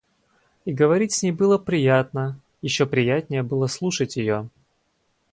И говорить с ней было приятно, еще приятнее было слушать ее.